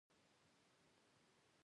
یوټوبر دې د خلکو د غږ ارزښت ومني.